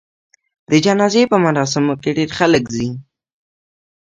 د جنازې په مراسمو کې ډېر خلک ځي.